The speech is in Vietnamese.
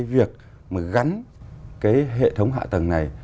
ví dụ như hệ thống hạ tầng này